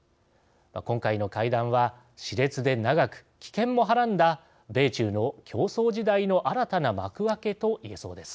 今回の会談は、し烈で長く危険もはらんだ米中の競争時代の新たな幕開けと言えそうです。